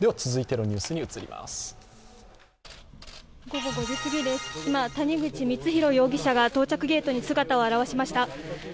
午後５時すぎです、今、谷口光弘容疑者が到着ゲートに姿を現しました。